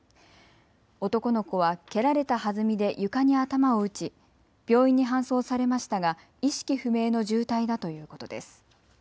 男の子は蹴られたはずみで床に頭を打ち、病院に搬送されましたが意識不明の重体だということです。